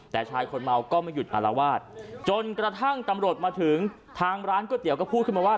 แต่ชายคนเมาก็ไม่หยุดอารวาสจนกระทั่งตำรวจมาถึงทางร้านก๋วยเตี๋ยก็พูดขึ้นมาว่า